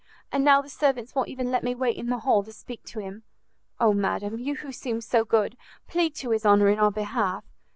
and now the servants won't even let me wait in the hall to speak to him. Oh, madam! you who seem so good, plead to his honour in our behalf!